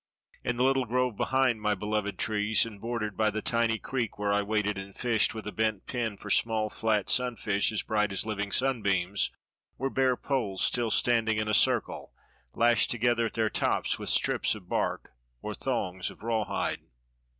In the little grove behind my beloved trees, and bordered by the tiny creek where I waded and fished with a bent pin for small flat sunfish as bright as living sunbeams, were bare poles still standing in a circle, lashed together at their tops with strips of bark or thongs of raw hide.